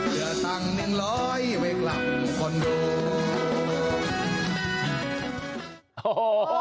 เจอตังค์หนึ่งร้อยไว้กลับคอนโด